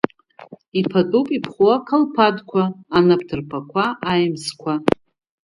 Иԥатәуп иԥхоу ақалԥадқәа, анапҭырԥақәа, аимсқәа…